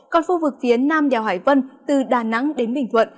còn khu vực phía nam đèo hải vân từ đà nẵng đến bình thuận